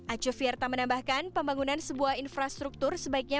acu fiarta menambahkan pembangunan sebuah infrastruktur sebaiknya